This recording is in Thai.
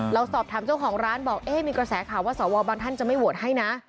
เราสอบถามเจ้าของร้านบอกเอ๊ะมีกระแสข่าวว่าสวบางท่านจะไม่โหวตให้นะ